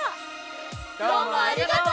どうもありがとう！